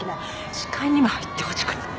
視界にも入ってほしくない。